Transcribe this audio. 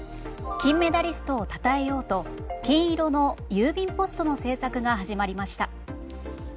金メダリストをたたえようと金色の郵便ポストの製作が始まりました。